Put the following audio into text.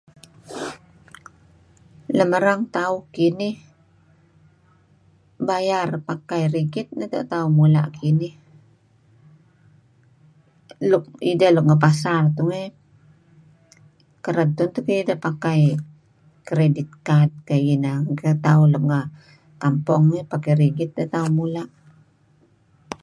Lem erang tauh kinih bayar pakai riggit neto' tauh mula' kinih. Luk ideh nuk ngi pasar tungey kereb tun teh beh ideh pakai credit card kayu' inan ngen tauh. Keditauh lem kampong pakai ringgit teh tauh mula'.